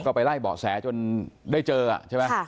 ก็ไปไล่เบาะแสจนได้เจอใช่ไหม